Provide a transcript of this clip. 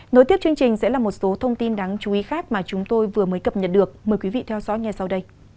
nối tiếp chương trình sẽ là một số thông tin đáng chú ý khác mà chúng tôi vừa mới cập nhật được mời quý vị theo dõi ngay sau đây